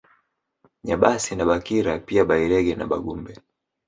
Nyabasi na Bakira pia Bairege na Bagumbe